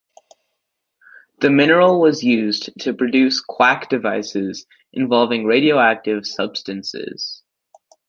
The mineral was used to produce quack devices involving radioactive substances.